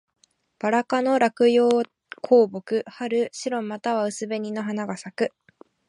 ばら科の落葉高木。春、白または薄紅の花が咲く。